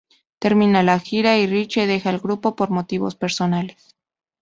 Termina la gira y "Richie" deja el grupo por motivos personales.